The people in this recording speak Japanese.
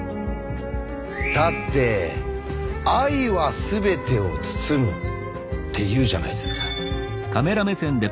だって「ｉはすべてを包む」って言うじゃないですか。